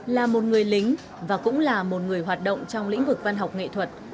là một người lính và cũng là một người hoạt động trong lĩnh vực văn học nghệ thuật